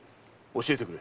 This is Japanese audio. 教えてくれ。